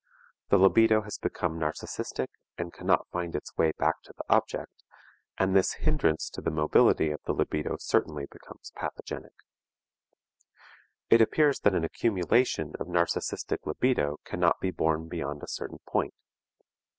The libido has become narcistic and cannot find its way back to the object, and this hindrance to the mobility of the libido certainly becomes pathogenic. It appears that an accumulation of narcistic libido cannot be borne beyond a certain point.